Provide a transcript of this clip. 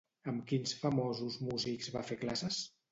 Amb quins famosos músics va fer classes?